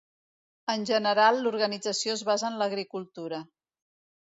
En general l'organització es basa en l'agricultura.